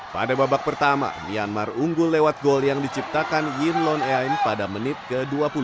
pada babak pertama myanmar unggul lewat gol yang diciptakan yirlon eain pada menit ke dua puluh sembilan